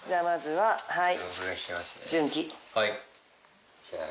はい！